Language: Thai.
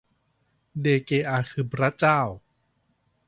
เดเกอาคือบร๊ะเจ้า